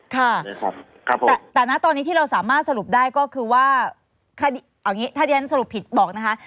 ค่ะแต่นะตอนนี้ที่เราสามารถสรุปได้ก็คือว่าเอาอย่างนี้ถ้าที่ฉันสรุปผิดบอกนะคะ